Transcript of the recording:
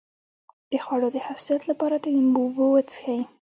د خوړو د حساسیت لپاره د لیمو اوبه وڅښئ